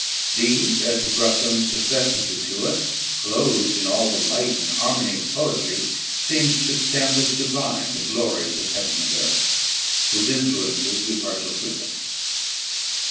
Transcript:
These, as he brought them successively to us, clothed in all the light and harmony of poetry, seemed to stamp as divine the glories of heaven and earth, whose influences we partook with him.